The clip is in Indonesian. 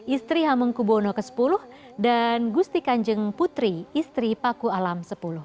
istri habeng kubono sepuluh dan gusti kanjeng putri istri paku alam sepuluh